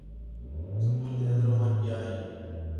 سکول تے اندر ون٘ڄ ڳِیا ہے